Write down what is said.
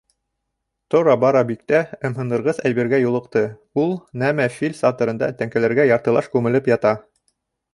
Тора-бара биктә ымһындырғыс әйбергә юлыҡты, ул нәмә фил сатырында тәңкәләргә яртылаш күмелеп ята.